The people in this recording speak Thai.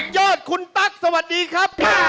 ยอดคุณตั๊กสวัสดีครับ